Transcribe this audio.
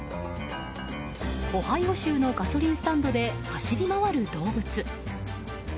オハイオ州のガソリンスタンドで走り回る動物。